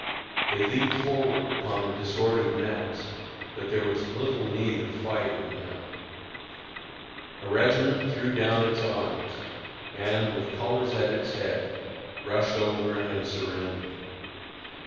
They leaped forward upon the disordered mass; but there was little need of fighting now. A regiment threw down its arms, and, with colors at its head, rushed over and surrendered.